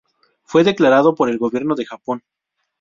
Fue declarado por el Gobierno de Japón.